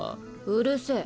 うるせぇ。